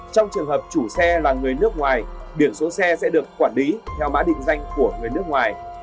trong trường hợp chủ xe là người nước ngoài biển số xe sẽ được quản lý theo mã định danh của người nước ngoài